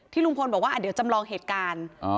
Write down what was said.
ลุงพลบอกว่าเดี๋ยวจำลองเหตุการณ์